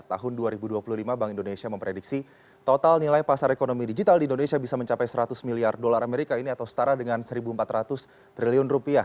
tahun dua ribu dua puluh lima bank indonesia memprediksi total nilai pasar ekonomi digital di indonesia bisa mencapai seratus miliar dolar amerika ini atau setara dengan satu empat ratus triliun rupiah